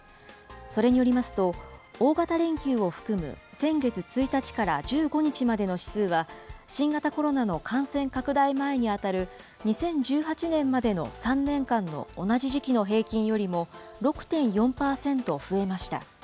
それによりますと、大型連休を含む先月１日から１５日までの指数は、新型コロナの感染拡大前に当たる２０１８年までの３年間の同じ時期の平均よりも、６．４％増えました。